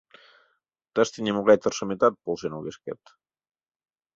Тыште нимогай тыршыметат полшен огеш керт.